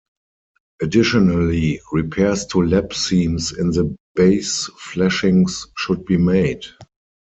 Additionally, repairs to lap seams in the base flashings should be made.